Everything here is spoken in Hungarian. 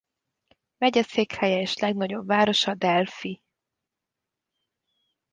Megyeszékhelye és legnagyobb városa Delphi.